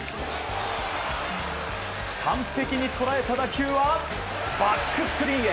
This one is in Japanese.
完璧に捉えた打球はバックスクリーンへ。